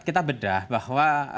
kita bedah bahwa